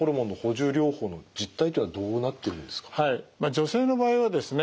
女性の場合はですね